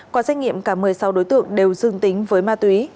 qua xét nghiệm cả một mươi sáu đối tượng đều dương tính với ma túy